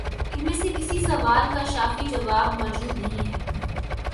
ان میں سے کسی سوال کا شافی جواب مو جود نہیں ہے۔